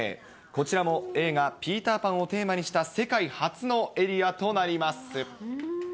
こちらも映画、ピーター・パンをテーマにした世界初のエリアとなります。